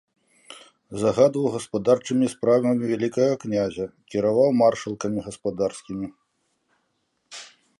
Загадваў гаспадарчымі справамі вялікага князя, кіраваў маршалкамі гаспадарскімі.